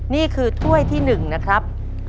นี่คือถ้วยที่๑นะครับ